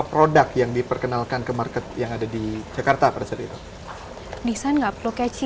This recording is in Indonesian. produk yang diperkenalkan ke market yang ada di jakarta pada saat itu desain nggak perlu keci